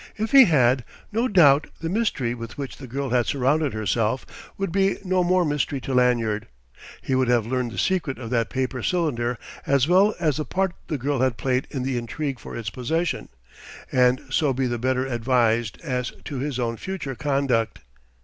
If he had, no doubt the mystery with which the girl had surrounded herself would be no more mystery to Lanyard; he would have learned the secret of that paper cylinder as well as the part the girl had played in the intrigue for its possession, and so be the better advised as to his own future conduct.